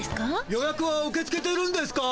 予やくは受けつけてるんですか？